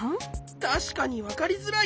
たしかにわかりづらい。